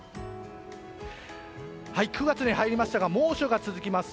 ９月に入りましたが猛暑が続きます。